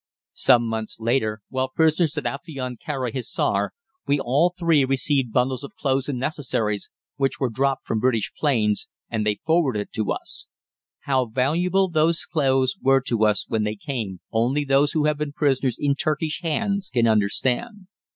Some months later, while prisoners at Afion Kara Hissar, we all three received bundles of clothes and necessaries, which were dropped from British planes and they forwarded to us. How valuable those clothes were to us when they came, only those who have been prisoners in Turkish hands can understand.